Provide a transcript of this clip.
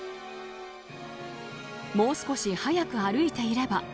もう少し速く歩いていれば。